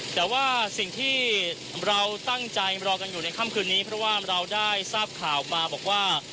แต่ว่าสิ่งที่เราตั้งใจรอกันอยู่ในค่ำคืนนี้เพราะว่าเราได้ทราบข่าวมาบอกว่า